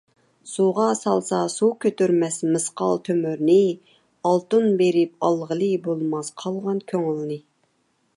سۇغا سالسا سۇ كۆتۈرمەس مىسقال تۆمۈرنى ئالتۇن بېرىپ ئالغىلى بولماس قالغان كۆڭۈلنى .